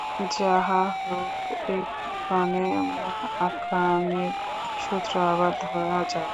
যাহা হউক, এক্ষণে মূল আখ্যানের সূত্র আবার ধরা যাউক।